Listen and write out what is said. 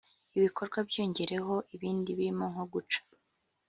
Ibi bikorwa byiyongeraho ibindi birimo nko guca